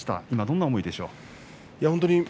今どんな思いでしょう？